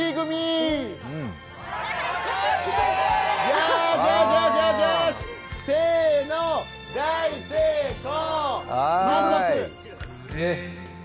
よしよし、せーの大成功！